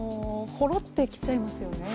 ほろってきちゃいますよね。